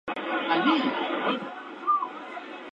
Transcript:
Participó en la Protesta de Baraguá contra el Pacto del Zanjón.